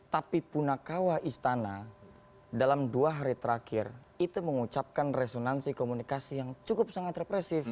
tapi punakawa istana dalam dua hari terakhir itu mengucapkan resonansi komunikasi yang cukup sangat represif